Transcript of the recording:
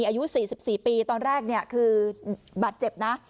อายุ๔๔ปีตอนแรกคือบาดเจ็บนะ